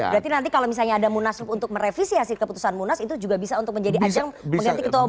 berarti nanti kalau misalnya ada munaslup untuk merevisi hasil keputusan munas itu juga bisa untuk menjadi ajang mengganti ketua umum